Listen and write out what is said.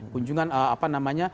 kunjungan apa namanya